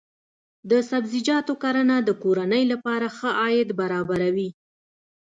د سبزیجاتو کرنه د کورنۍ لپاره ښه عاید برابروي.